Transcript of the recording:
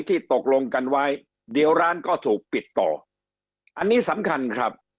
ที่ตกลงกันไว้เดี๋ยวร้านก็ถูกปิดต่ออันนี้สำคัญครับ